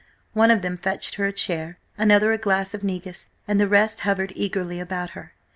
One of them fetched her a chair, another a glass of negus, and the rest hovered eagerly about her.